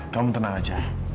kamu tenang aja